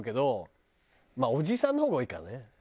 まあおじさんの方が多いかね。